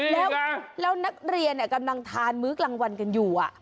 แล้วนักเรียนกำลังทานมื้อกลางวันกันอยู่